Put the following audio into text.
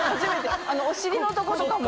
お尻のとことかも。